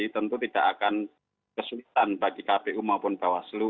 tentu tidak akan kesulitan bagi kpu maupun bawah selu